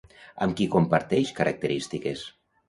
Amb qui comparteix característiques?